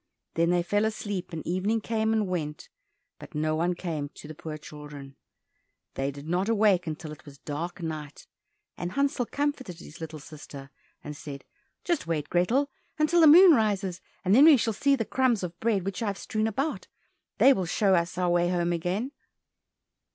Then they fell asleep and evening came and went, but no one came to the poor children. They did not awake until it was dark night, and Hansel comforted his little sister and said, "Just wait, Grethel, until the moon rises, and then we shall see the crumbs of bread which I have strewn about, they will show us our way home again."